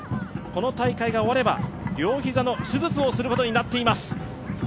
この大会が終われば両膝の手術をすることになっています。